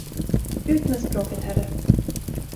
Ut med språket, herre!